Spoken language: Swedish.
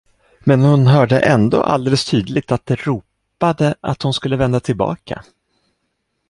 Men hon hörde ändå alldeles tydligt att det ropade att hon skulle vända tillbaka.